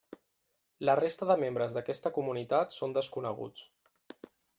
La resta de membres d'aquesta comunitat són desconeguts.